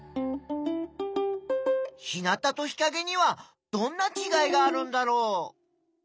日なたと日かげにはどんなちがいがあるんだろう？